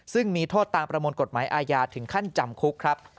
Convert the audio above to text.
ซึ่งมีโทษตามประมวลกฎหมายอาญาถึงขั้นจำคุกครับ